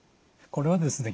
これはですね